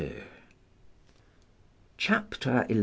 Chapter 2.